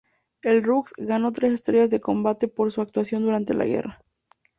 El Rooks ganó tres estrellas de combate por su actuación durante la guerra.